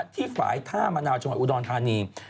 ที่ฝ่ายท่ามนาวชมอูดรธานี